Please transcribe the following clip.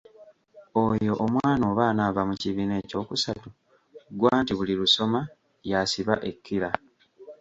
"Oyo omwana oba anaava mu kibiina eky’okusatu, ggwe anti buli lusoma y'asiba ekkira."